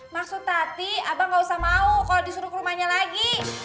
maksud tati abang gak usah mau kalau disuruh ke rumahnya lagi